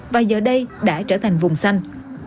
và giờ đây đã trở thành vùng xanh